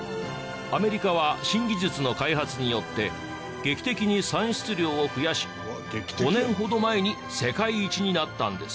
アメリカは新技術の開発によって劇的に産出量を増やし５年ほど前に世界一になったんです。